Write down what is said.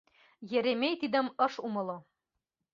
Еремей тидым ыш умыло.